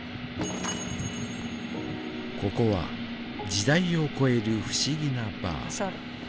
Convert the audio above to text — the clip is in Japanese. ここは時代をこえる不思議なバー。